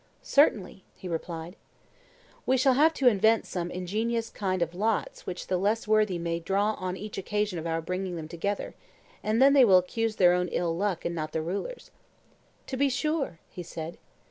Certainly, he replied. We shall have to invent some ingenious kind of lots which the less worthy may draw on each occasion of our bringing them together, and then they will accuse their own ill luck and not the rulers. To be sure, he said.